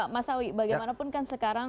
mas awi bagaimanapun kan sekarang